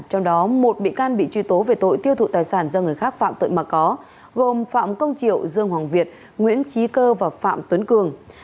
trong đó một bị can bị truy tố về tội tiêu thụ tài sản do người khác phạm tội mà có gồm phạm công triệu dương hoàng việt nguyễn trí cơ và phạm tuấn cường